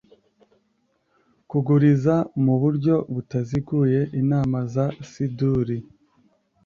kuguriza mu buryo butaziguye inama za Siduri